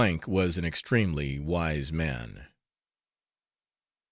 K was an extremely wise man.